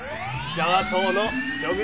ジャワ島のジョグ